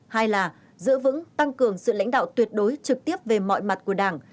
hai là giữ vững tăng cường sự lãnh đạo tuyệt đối trực tiếp về mọi mặt của đảng